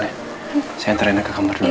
saya hantar riana ke kamar dulu ya